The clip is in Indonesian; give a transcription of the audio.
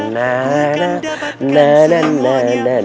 nah nah nah nah nah nah